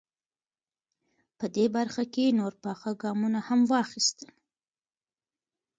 په دې برخه کې نور پاخه ګامونه هم واخیستل.